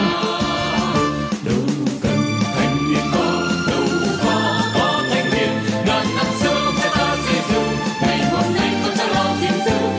ngàn năm xưa chúng ta gìn giữ ngày hôm nay cũng chẳng lo gìn giữ